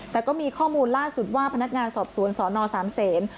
แต่ก็มีข้อมูลล่าสุดว่าพนักงานสอบสวนสนสามเศษ